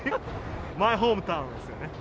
マイホームタウンですよね。